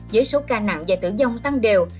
với số ca nặng và tử dông tăng đều